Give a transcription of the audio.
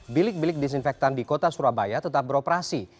bilik bilik disinfektan di kota surabaya tetap beroperasi